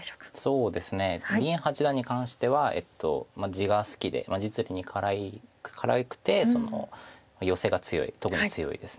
そうですね林八段に関しては地が好きで実利に辛くてヨセが強い特に強いです。